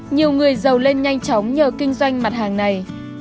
nhiều người giàu lên nhanh chóng nhờ kinh doanh mặt hàng này